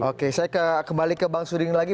oke saya kembali ke bang suding lagi